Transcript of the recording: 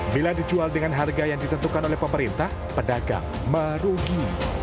bila dijual dengan harga yang ditentukan oleh pemerintah pedagang merugi